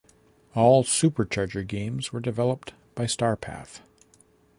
All Supercharger games were developed by Starpath.